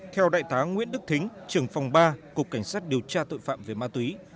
theo đại tá nguyễn đức thính trưởng phòng ba cục cảnh sát điều tra tội phạm về ma túy